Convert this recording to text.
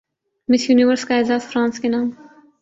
مس Universe کا اعزاز France کے نام